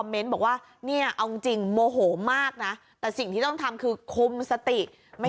เมนต์มีคอมเมนต์บอกว่า